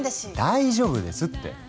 大丈夫ですって。